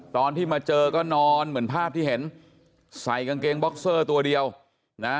ตอนที่มาเจอก็นอนเหมือนภาพที่เห็นใส่กางเกงบ็อกเซอร์ตัวเดียวนะ